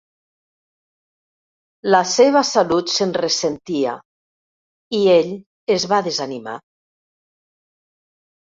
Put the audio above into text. La seva salut se'n ressentia i ell es va desanimar.